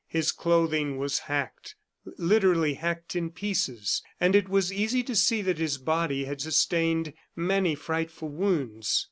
His clothing was hacked literally hacked in pieces; and it was easy to see that his body had sustained many frightful wounds.